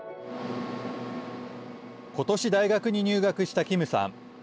ことし大学に入学したキムさん。